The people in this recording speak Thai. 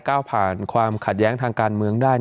ก้าวผ่านความขัดแย้งทางการเมืองได้